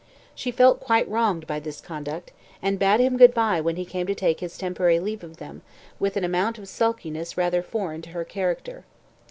She felt quite wronged by this conduct, and bade him goodbye when he came to take his temporary leave of them, with an amount of sulkiness rather foreign to her character.